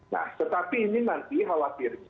nah tetapi ini nanti khawatirnya